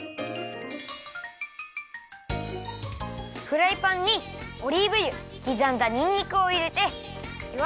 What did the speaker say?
フライパンにオリーブ油きざんだにんにくをいれてよ